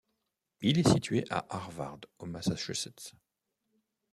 Il est situé à Harvard au Massachusetts.